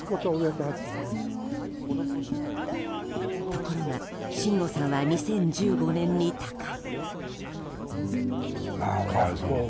ところが真吾さんは２０１５年に他界。